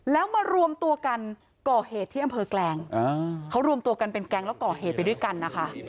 แล้วมารวมตัวกันก่อเหตุที่อำเภอแกลงเขารวมตัวกันเป็นแก๊งแล้วก่อเหตุไปด้วยกันนะคะ